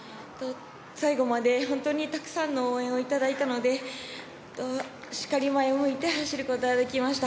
最後まで本当にたくさんの応援をいただいたのでしっかり前を向いて走ることができました。